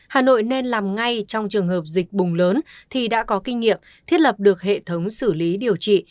hà nội nên làm ngay trong trường hợp dịch bùng lớn thì đã có kinh nghiệm thiết lập được hệ thống xử lý điều trị